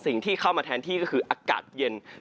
สิ่งที่เข้ามาแทนที่ก็คืออากาศเย็น